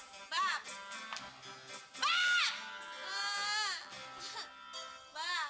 dada ini si elah